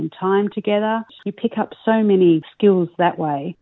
anda menemukan banyak kemampuan di situ